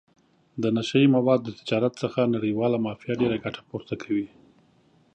د نشه یي موادو د تجارت څخه نړیواله مافیا ډېره ګټه پورته کوي.